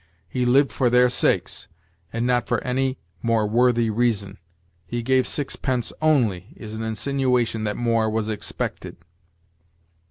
'He lived for their sakes,' and not for any more worthy reason. 'He gave sixpence only,' is an insinuation that more was expected.